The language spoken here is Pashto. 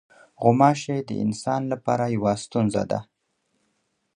غوماشې د انسان لپاره یوه ستونزه ده.